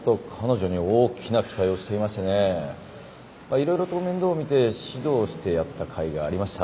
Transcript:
いろいろと面倒を見て指導してやったかいがありました。